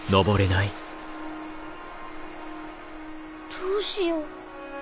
どうしよう。